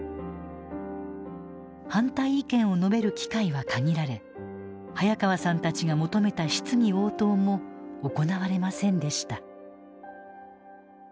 反対意見を述べる機会は限られ早川さんたちが求めた質疑応答も行われませんでした。